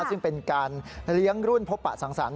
ซึ่งเป็นการเลี้ยงรุ่นพบปะสังสรรค